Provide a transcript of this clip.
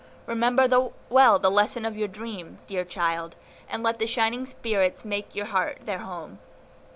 Remember well the lesson of the dream, dear child, and let the shining spirits make your heart their home."